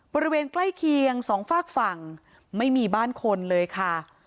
บริเวณใกล้เคียงสองฝากฝั่งไม่มีบ้านคนเลยค่ะ